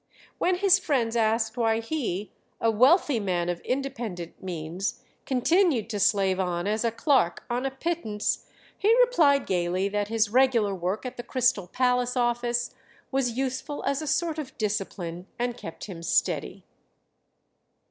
When his friends asked why he, a wealthy man of independent means, continued to slave on as a clerk on a pittance, he replied gaily that his regular work at the Crystal Palace office was useful as a sort of discipline, and kept him steady.